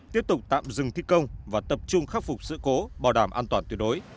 tiếp tục tạm dừng thi công và tập trung khắc phục sự cố bảo đảm an toàn tuyệt đối